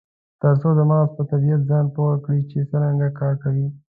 ترڅو د مغز په طبیعت ځان پوه کړي چې څرنګه کار کوي.